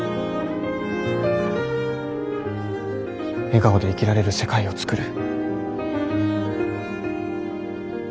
笑顔で生きられる世界を創る。